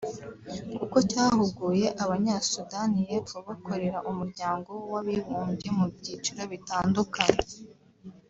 kuko cyahuguye Abanyasudani y’Epfo bakorera umuryango w’abibumbye mu byiciro bitandukanye